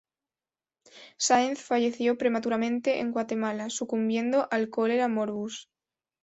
Sáenz falleció prematuramente en Guatemala, sucumbiendo al cólera morbus.